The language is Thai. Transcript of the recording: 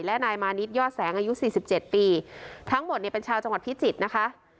และนายมานิดยอดแสงอายุสี่สิบเจ็ดปีทั้งหมดเนี่ยเป็นชาวจังหวัดพิจิตรนะคะ